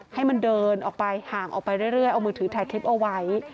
ให้มันเดินออกไปห่างออกไปเรื่อยเอามือถือถ่ายคลิปเอาไว้